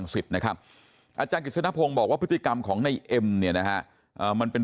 สิทธิ์นะครับอาจารย์กิจสนพงศ์บอกว่าพฤติกรรมของในเอ็มเนี่ยนะฮะมันเป็น